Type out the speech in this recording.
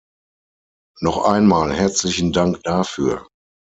Noch einmal herzlichen Dank dafür!